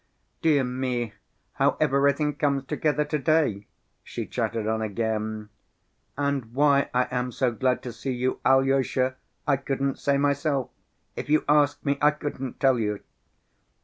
"Dear me, how everything comes together to‐day!" she chattered on again. "And why I am so glad to see you, Alyosha, I couldn't say myself! If you ask me, I couldn't tell you."